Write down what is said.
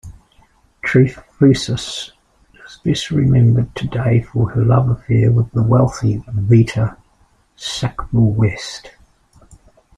Trefusis is best remembered today for her love affair with the wealthy Vita Sackville-West.